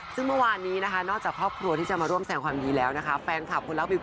ซึ่งเมื่อวานนี้นะคะนอกจากครอบครัวที่จะมาร่วมแสงความดีแล้วนะคะ